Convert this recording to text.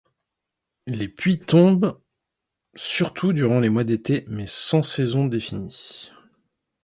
Les pluies tombent surtout durant les mois d'été, mais sans saison définie.